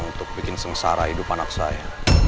untuk bikin sengsara hidup anak saya